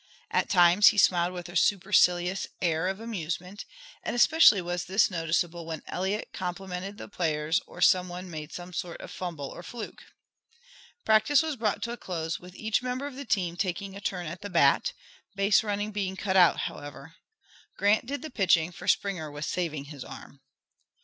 At times he smiled with a supercilious air of amusement, and especially was this noticeable when Eliot complimented the players or some one made some sort of a fumble or fluke. Practice was brought to a close with each member of the team taking a turn at the bat, base running being cut out, however. Grant did the pitching, for Springer was "saving his arm."